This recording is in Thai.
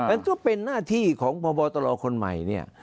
มันก็เป็นหน้าที่ของพบตรคนใหม่เนี่ย